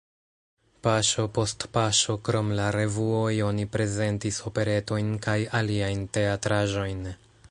Paŝo post paŝo krom la revuoj oni prezentis operetojn kaj aliajn teatraĵojn.